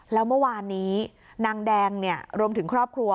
แล้วเมื่อวานนี้นางแดงรวมถึงครอบครัว